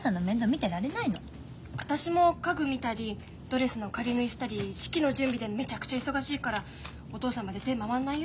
私も家具見たりドレスの仮縫いしたり式の準備でめちゃくちゃ忙しいからお父さんまで手回んないよ？